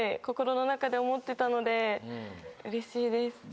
心の中で思ってたのでうれしいです。